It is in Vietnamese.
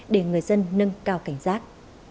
để người dân nâng cao cảnh giác